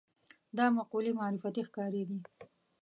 دا مقولې معرفتي ښکارېږي